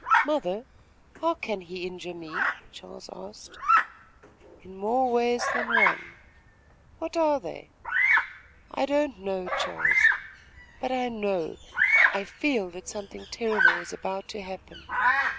"Mother, how can he injure me?" Charles asked. "In more ways than one." "What are they?" "I don't know, Charles; but I know I feel that something terrible is about to happen.